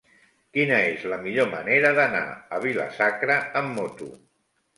Quina és la millor manera d'anar a Vila-sacra amb moto?